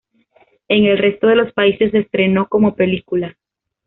En el resto de los países se estrenó como película.